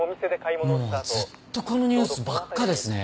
もうずっとこのニュースばっかですね。